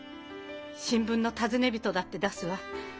新聞の「尋ね人」だって出すわ。